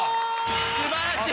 素晴らしい！